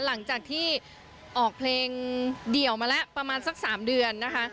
หลังจากที่ออกเพลงเดี่ยวมาแล้วประมาณสัก๓เดือนนะคะ